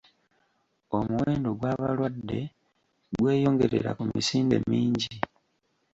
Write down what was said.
Omuwendo gw'abalwadde gweyongerera ku misinde mingi.